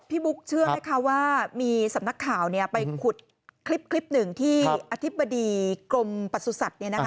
บุ๊กเชื่อไหมคะว่ามีสำนักข่าวไปขุดคลิปหนึ่งที่อธิบดีกรมประสุทธิ์